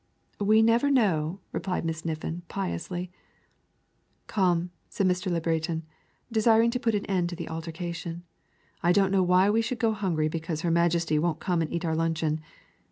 "We never know," replied Miss Niffin piously. "Come," said Mr. Le Breton, desiring to put an end to the altercation, "I don't know why we should go hungry because her Majesty won't come and eat our luncheon.